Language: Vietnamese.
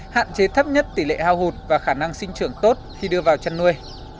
hạn chế thấp nhất tỷ lệ hao hụt và khả năng sinh trưởng tốt khi đưa vào chăn nuôi